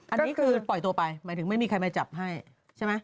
อันนี้คือปล่อยตัวไปหมายถึงไม่มีใครมาจับให้ใช่ไหม